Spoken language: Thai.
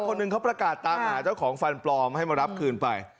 คนหนึ่งเขาประกาศตามหาเจ้าของฟันปลอมให้มารับคืนไป